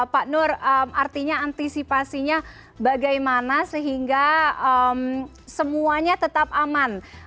pak nur artinya antisipasinya bagaimana sehingga semuanya tetap aman